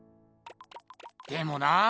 でもなあ